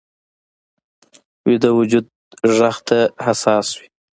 ویده وجود غږ ته حساس وي